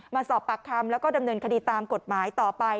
มาสอบปากคำแล้วก็ดำเนินคดีตามกฎหมายต่อไป